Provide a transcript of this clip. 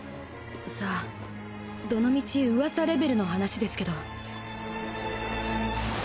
さあどのみち噂レベルの話ですけど。